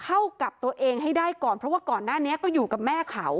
เข้ากับตัวเองให้ได้ก่อนเพราะว่าก่อนหน้านี้ก็อยู่กับแม่เขา